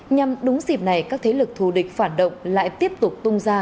nhằm đúng dịp này các thế lực thù địch phản động lại tiếp tục tung ra